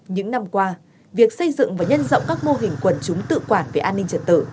những năm qua việc xây dựng và nhân rộng các mô hình quần chúng tự quản về an ninh trật tự